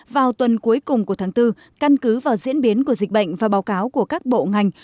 vào tuần cuối cùng của tháng bốn căn cứ vào diễn biến của dịch bệnh và báo cáo của các bộ ngành